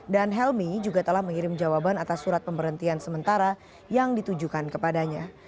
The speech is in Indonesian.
dan helmi juga telah mengirim jawaban atas surat pemberhentian sementara yang ditujukan kepadanya